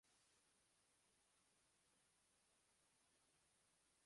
Qur’on musobaqasi g‘oliblari taqdirlandi